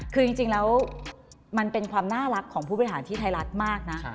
คือจริงแล้วมันเป็นความน่ารักของผู้บริหารที่ไทยรัฐมากนะ